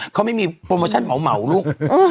เขาไม่มีโปรโมชั่นเหมาลูก